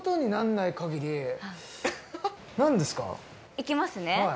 いきますね。